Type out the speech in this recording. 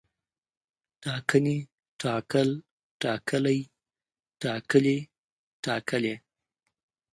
ټاکنې، ټاکل، ټاکلی، ټاکلي، ټاکلې